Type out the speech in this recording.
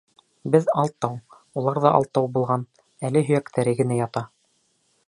Беҙ алтау, улар ҙа алтау булған, әле һөйәктәре генә ята.